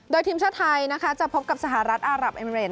โดยทีมชาวไทยจะพบกับสหรัฐอารับเอเมริต